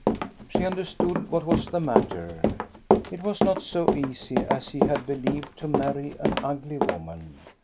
She understood what was the matter : it was not so easy as he had believed to marry an ugly woman.